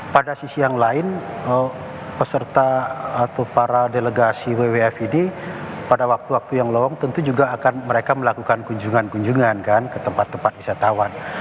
pada sisi yang lain peserta atau para delegasi wwf ini pada waktu waktu yang lowong tentu juga akan mereka melakukan kunjungan kunjungan ke tempat tempat wisatawan